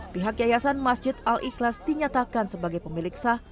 pihak yayasan masjid al ikhlas dinyatakan sebagai pemilik sah